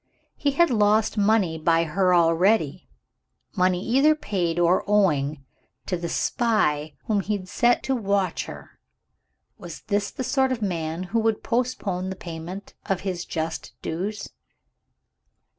He had lost money by her already money either paid, or owing, to the spy whom he had set to watch her. Was this the sort of man who would postpone the payment of his just dues?